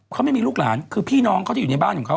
เขาไม่มีลูกหลานคือพี่น้องเขาที่อยู่ในบ้านของเขา